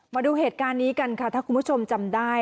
มาดูเหตุการณ์นี้กันค่ะถ้าคุณผู้ชมจำได้